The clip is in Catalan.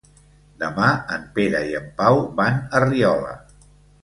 Demà en Pere i en Pau van a Riola.